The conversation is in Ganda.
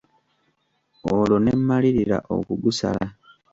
Olwo ne mmalirira okugusala.